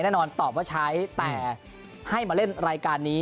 แน่นอนตอบว่าใช้แต่ให้มาเล่นรายการนี้